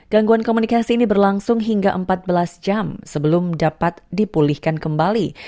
gangguan komunikasi ini berlangsung hingga empat belas jam sebelum dapat dipulihkan kembali